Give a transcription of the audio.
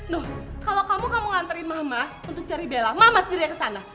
nuh kalau kamu gak mau nganterin mama untuk cari bella mama sendirian kesana